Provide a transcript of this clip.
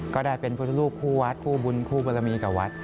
ก็ได้เป็นพุทธรูปคู่วัดคู่บุญคู่บรมีกับวัด